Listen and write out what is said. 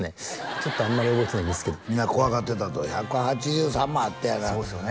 ちょっとあんまり覚えてないんですけどみんな怖がってたと１８３もあってやなそうですよね